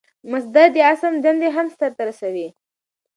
مصدر د اسم دندې هم سر ته رسوي.